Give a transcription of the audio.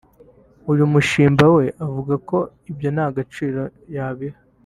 uyu mushimba we avuga ko ibyo nta gaciro yabiha